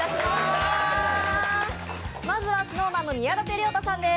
まずはＳｎｏｗＭａｎの宮舘涼太さんです。